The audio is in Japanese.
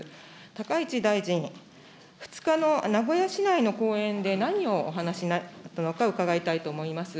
高市大臣、２日の名古屋市内の講演で何をお話になったのか、伺いたいと思います。